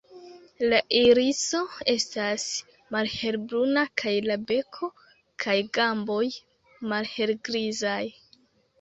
La iriso estas malhelbruna kaj la beko kaj gamboj malhelgrizaj.